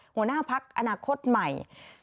หัวหน้าพักอนาคตใหม่